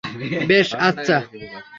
বেশ, আচ্ছা।